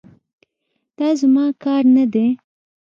دا زما کار نه دی.